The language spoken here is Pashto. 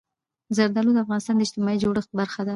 زردالو د افغانستان د اجتماعي جوړښت برخه ده.